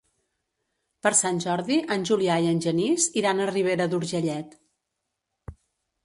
Per Sant Jordi en Julià i en Genís iran a Ribera d'Urgellet.